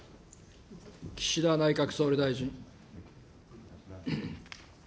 岸田内閣総理大臣。